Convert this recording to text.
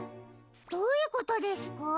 どういうことですか？